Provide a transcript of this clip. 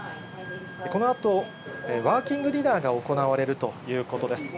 このあとワーキングディナーが行われるということです。